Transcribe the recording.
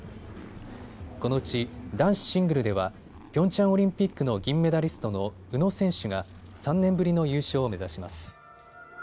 このうち男子シングルではピョンチャンオリンピックの銀メダリストの宇野選手が３年ぶりの優勝を目指します。